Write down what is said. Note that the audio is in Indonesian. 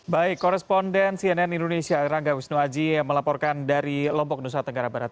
baik koresponden cnn indonesia rangga wisnuaji melaporkan dari lombok nusa tenggara barat